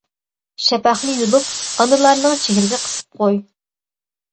شەپەقنى يۇلۇپ ئانىلارنىڭ چېھرىگە قىسىپ قوي!